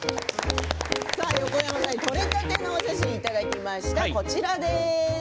横山さんに、撮れたてのお写真をいただきました。